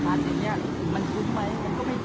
ตอนนี้กำหนังไปคุยของผู้สาวว่ามีคนละตบ